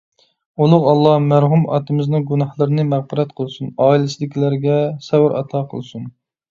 ئۇلۇغ ئاللاھ مەرھۇم ئاتىمىزنىڭ گۇناھلىرىنى مەغپىرەت قىلسۇن. ئائىلىسىدىكىلەرگە سەۋر ئاتا قىلسۇن.